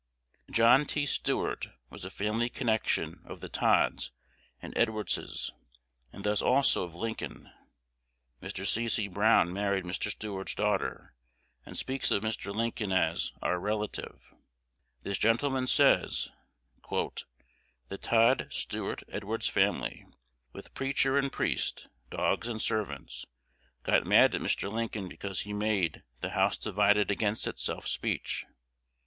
'" John T. Stuart was a family connection of the Todds and Edwardses, and thus also of Lincoln. Mr. C. C. Brown married Mr. Stuart's daughter, and speaks of Mr. Lincoln as "our relative." This gentleman says, "The Todd Stuart Edwards family, with preacher and priest, dogs and servants, got mad at Mr. Lincoln because he made 'The House divided against itself Speech.'